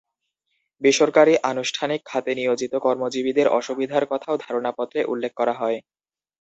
বেসরকারি আনুষ্ঠানিক খাতে নিয়োজিত কর্মজীবীদের অসুবিধার কথাও ধারণাপত্রে উল্লেখ করা হয়।